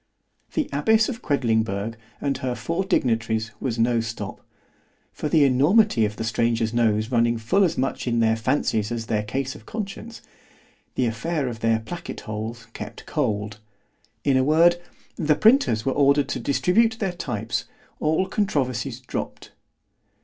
The abbess of Quedlingberg and her four dignitaries was no stop; for the enormity of the stranger's nose running full as much in their fancies as their case of conscience——the affair of their placket holes kept cold—in a word, the printers were ordered to distribute their types——all controversies dropp'd.